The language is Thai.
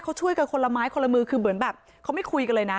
เขาช่วยกันคนละไม้คนละมือคือเหมือนแบบเขาไม่คุยกันเลยนะ